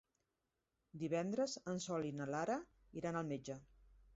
Divendres en Sol i na Lara iran al metge.